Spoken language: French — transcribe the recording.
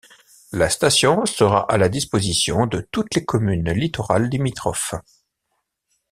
La station sera à la disposition de toutes les communes littorales limitrophes.